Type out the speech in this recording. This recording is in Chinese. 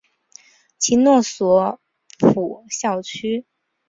其诺索普校区。